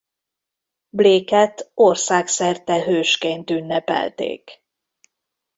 Blake-et országszerte hősként ünnepelték.